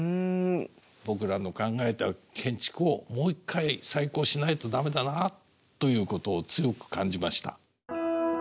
僕らの考えた建築をもう一回再考しないと駄目だなということを強く感じました。